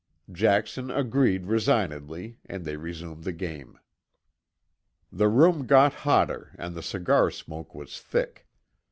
Jackson agreed resignedly, and they resumed the game. The room got hotter and the cigar smoke was thick.